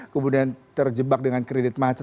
kemudian terjebak dengan kredit macet